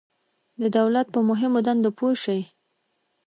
د دولت په مهمو دندو پوه شئ.